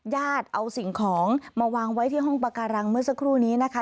เอาสิ่งของมาวางไว้ที่ห้องปาการังเมื่อสักครู่นี้นะคะ